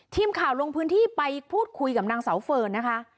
ทีมข่าวลงพื้นที่ไปพูดคุยกับนางเสาเฟิร์นนะคะ